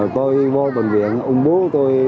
tôi vô bệnh viện ông bố tôi